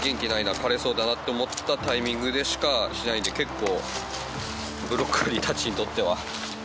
「枯れそうだな」って思ったタイミングでしかしないので結構。